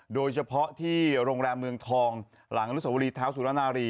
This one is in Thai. โดยเฉพาะที่โรงแรมเมืองทองหลังอนุสวรีเท้าสุรนารี